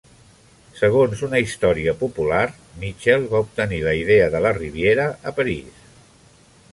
Segons una història popular, Mitchell va obtenir la idea de la Riviera a París.